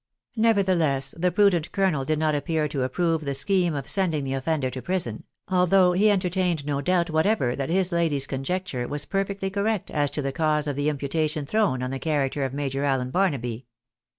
Nevertheless, the prudent colonel did not appear to approve the scheme of sending the offender to prison, although he entertained no doubt whatever that his lady's conjecture was perfectly correct as to the cause of the imputation thrown on the character of Major Allen Barnaby.